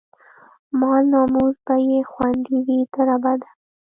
مال، ناموس به يې خوندي وي، تر ابده